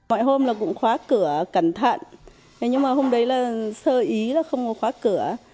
mọi hôm là cũng khóa cửa cẩn thận nhưng mà hôm đấy là sơ ý là không có khóa cửa